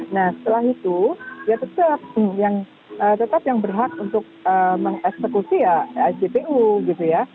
nah setelah itu ya tetap yang tetap yang berhak untuk mengeksekusi ya jpu gitu ya